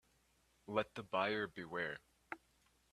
Let the buyer beware.